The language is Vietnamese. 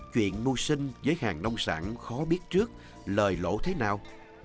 chuyện mua sinh với hàng nông sản khó biết trước lời lộ thế nào